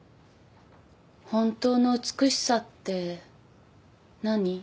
本当の美しさって何？